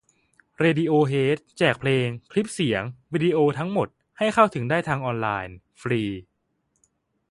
เรดิโอเฮด แจกเพลง คลิปเสียง วิดีโอทั้งหมด ให้เข้าถึงได้ทางออนไลน์ ฟรี